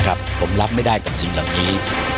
นะครับผมรับไม่ได้กับสิ่งแหล่งนี้